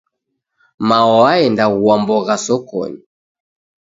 Mao waenda gua mbogha sokonyi.